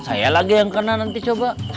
saya lagi yang kena nanti coba